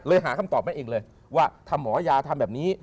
หาคำตอบมาเองเลยว่าถ้าหมอยาทำแบบนี้